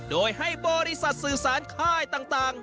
โดยให้บริษัทสื่อสารค่ายต่าง